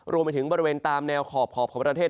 รวมไปถึงบริเวณตามแนวขอบของประเทศ